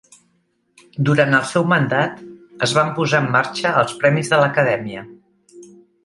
Durant el seu mandat es van posar en marxa els Premis de l'Acadèmia.